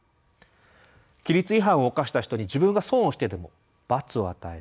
「規律違反を犯した人に自分が損をしてでも罰を与える。